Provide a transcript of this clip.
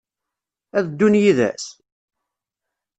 Ad ddun yid-s?